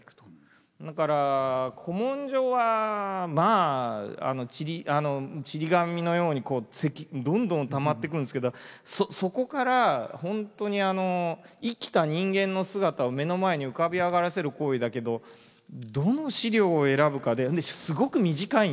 だから古文書はまあちり紙のようにどんどんたまってくるんですけどそこから本当に生きた人間の姿を目の前に浮かび上がらせる行為だけどどの史料を選ぶかでそれですごく短いんです。